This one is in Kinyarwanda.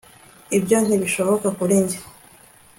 ibyo ntibishoboka kuri njye